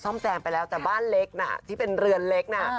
แซมไปแล้วแต่บ้านเล็กน่ะที่เป็นเรือนเล็กน่ะ